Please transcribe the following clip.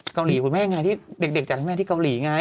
กัวหลีคุณแม่ไงดังนั้นเด็กจัดให้แม่ในกัวหลีไง